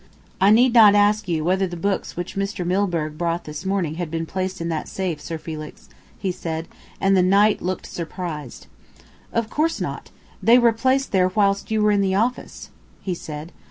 "I need not ask you whether the books which Mr. Milburgh brought this morning had been placed in that safe, Sir Felix," he said, and the knight looked surprised. "Of course not. They were placed there whilst you were in the office," he said.